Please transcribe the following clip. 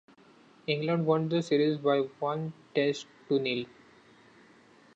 England won the series by one Test to nil.